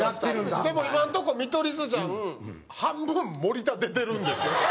でも今のとこ『見取り図じゃん』半分森田出てるんです。